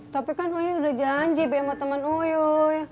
tapi kan uy udah janji be sama temen uyuy